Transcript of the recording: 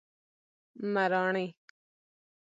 مراڼی